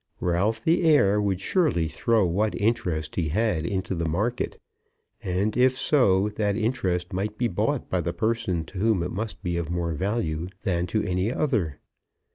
Ralph the heir would surely throw what interest he had into the market, and if so, that interest might be bought by the person to whom it must be of more value than to any other.